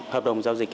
hợp đồng giao dịch